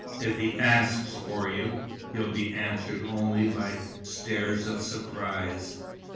If he asks for you, he'll be answered only by stares of surprise.